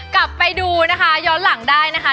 กลับไปดูนะคะย้อนหลังได้นะคะ